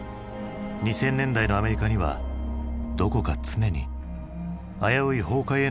２０００年代のアメリカにはどこか常に危うい崩壊への雰囲気が漂っていた。